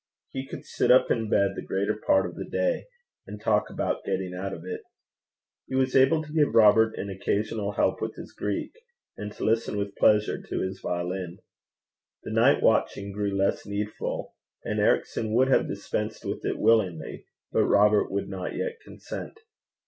He could sit up in bed the greater part of the day, and talk about getting out of it. He was able to give Robert an occasional help with his Greek, and to listen with pleasure to his violin. The night watching grew less needful, and Ericson would have dispensed with it willingly, but Robert would not yet consent.